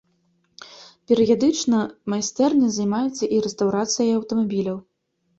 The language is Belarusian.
Перыядычна майстэрня займаецца і рэстаўрацыяй аўтамабіляў.